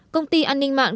công ty an ninh mạng